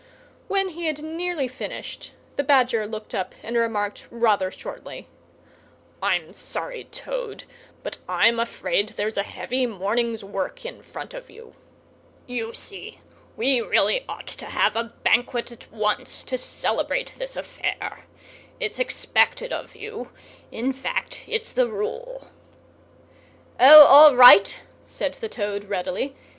When he had nearly finished, the Badger looked up and remarked rather shortly: "I'm sorry, Toad, but I'm afraid there's a heavy morning's work in front of you. You see, we really ought to have a Banquet at once, to celebrate this affair. It's expected of you—in fact, it's the rule." "O, all right!" said the Toad, readily.